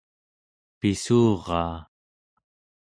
pissuraa